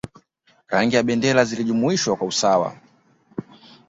Rangi za bendera zilijumuishwa kwa usawa